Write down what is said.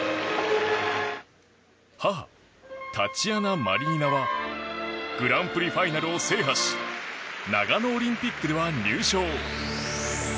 母タチアナ・マリニナはグランプリファイナルを制覇し長野オリンピックでは入賞。